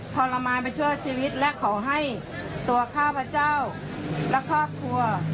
ทรมานมาช่วยชีวิตและขอให้ตัวข้าพเจ้าและครอบครัว